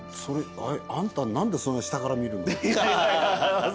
あんた何でそんな下から見るの？